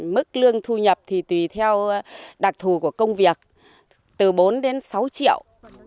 mức lương thu nhập tùy theo đặc thù của công việc từ bốn sáu triệu